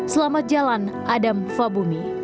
selamat jalan adam fahbumi